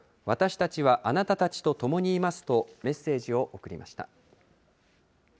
私たちはあなたたちとともにいますとメッセージを送りました。